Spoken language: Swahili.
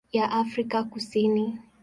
ya Afrika Kusini.